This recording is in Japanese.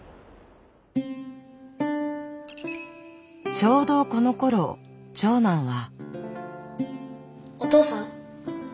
ちょうどこのころ長男は。